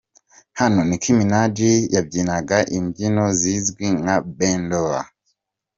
Hano Nick Minaj yabyinaga imbyino zizwi nka Bent over.